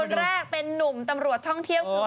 คนแรกเป็นหนุ่มตำรวจท่องเที่ยบ